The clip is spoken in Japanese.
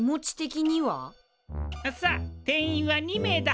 さあ定員は２名だ。